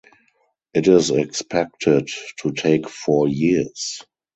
It is expected to take four years.